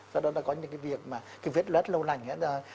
do đó là có những cái việc mà cái vết lết lâu lành